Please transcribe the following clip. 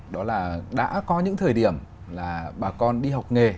đó là đã có những thời điểm là bà con đi học nghề